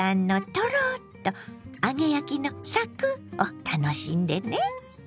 トロッと揚げ焼きのサクッを楽しんでね。